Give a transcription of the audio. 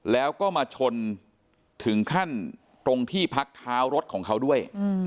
แล้วก็มาชนถึงขั้นตรงที่พักเท้ารถของเขาด้วย